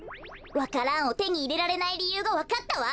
わか蘭をてにいれられないりゆうがわかったわ。